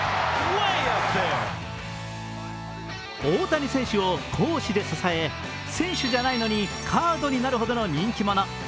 大谷選手を公私で支え選手じゃないのにカードになるほどの人気者。